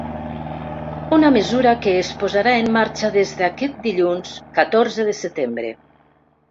Una mesura que es posarà en marxa des d’aquest dilluns catorze de setembre.